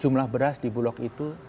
jumlah beras di bulog itu itu berarti